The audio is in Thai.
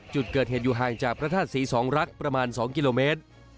จุดเกิดเหตุอยู่ห่างจากพระธาตุศรีสองรักประมาณ๒กิโลเมตร